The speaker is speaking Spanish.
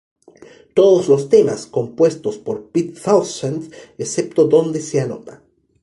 Todas los temas compuestos por Pete Townshend excepto donde se anota.